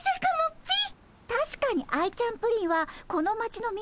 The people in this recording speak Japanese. ピィ。